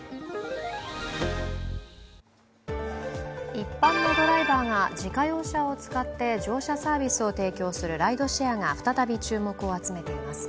一般のドライバーが自家用車を使って乗車サービスを提供するライドシェアが再び注目を集めています。